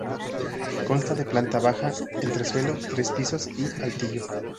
Consta de planta baja, entresuelo, tres pisos y altillo.